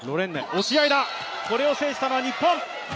押し合いを制したのは日本。